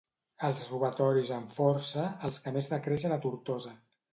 Els robatoris amb força, els que més decreixen a Tortosa.